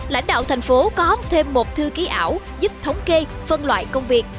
lãnh đạo thành phố cóc thêm một thư ký ảo giúp thống kê phân loại công việc